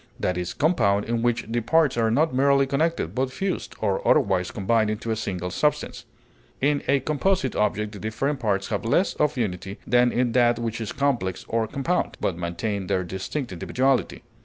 That is compound in which the parts are not merely connected, but fused, or otherwise combined into a single substance. In a composite object the different parts have less of unity than in that which is complex or compound, but maintain their distinct individuality.